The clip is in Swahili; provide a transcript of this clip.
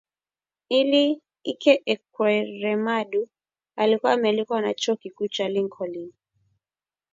Ike Ekweremadu alikuwa amealikwa na chuo kikuu cha Lincolin